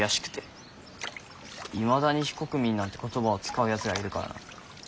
いまだに非国民なんて言葉を使うやつがいるからな。